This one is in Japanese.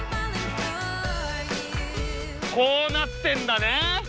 こうなってんだね